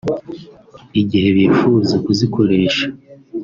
igihe bifuza kuzikoresha